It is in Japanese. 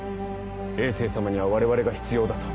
政様には我々が必要だと。